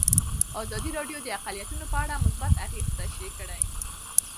ازادي راډیو د اقلیتونه په اړه مثبت اغېزې تشریح کړي.